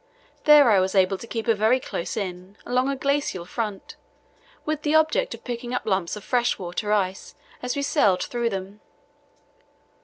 Then I was able to keep her very close in, along a glacier front, with the object of picking up lumps of fresh water ice as we sailed through them.